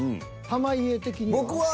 濱家的には？